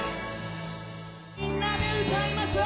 みんなで歌いましょう。